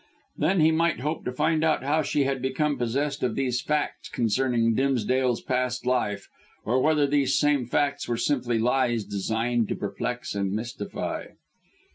Then he might hope to find out how she had become possessed of these facts concerning Dimsdale's past life, or whether those same facts were simply lies designed to perplex and mystify.